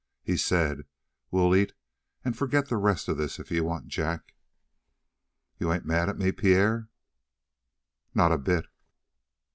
He said: "We'll eat and forget the rest of this, if you want, Jack." "And you ain't mad at me, Pierre?" "Not a bit."